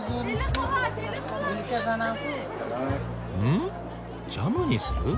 んジャムにする？